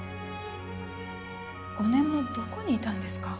５年もどこにいたんですか？